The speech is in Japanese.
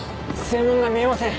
声門が見えません。